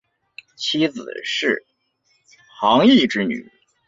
妻子是庞羲之女。